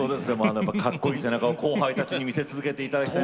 かっこいい背中を後輩たちに見せ続けていただきたい。